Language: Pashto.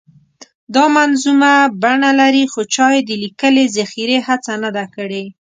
دا منظومه بڼه لري خو چا یې د لیکلې ذخیرې هڅه نه ده کړې.